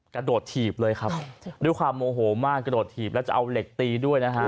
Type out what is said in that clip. กระโดดถีบเลยครับด้วยความโมโหมากกระโดดถีบแล้วจะเอาเหล็กตีด้วยนะฮะ